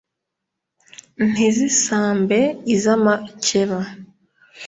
Ntizisambe iz’amakeba,